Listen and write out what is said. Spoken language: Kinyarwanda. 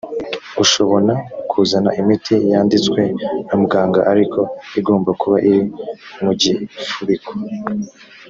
ushobona kuzana imiti yanditswe na muganga ariko igomba kuba iri mu gifubiko